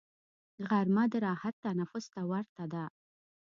غرمه د راحت تنفس ته ورته ده